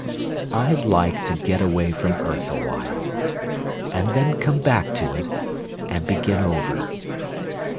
I'd like to get away from earth awhile And then come back to it and begin over.